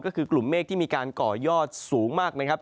ก็คือกลุ่มเมฆที่มีการก่อยอดสูงมากนะครับ